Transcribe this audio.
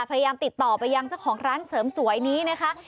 พยายามติดต่อไปยังเจ้าของร้านเสริมสวยนี้นะคะ